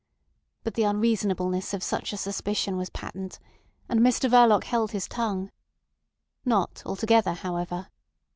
But the unreasonableness of such a suspicion was patent, and Mr Verloc held his tongue. Not altogether, however.